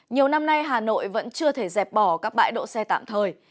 nhiều năm nay hà nội vẫn chưa thể dẹp bỏ các bãi đỗ xe tạm thời